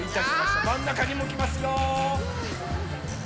まんなかにもきますよ！